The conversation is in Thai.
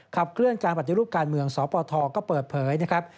เคลื่อนการปฏิรูปการเมืองสปทก็เปิดเผยนะครับ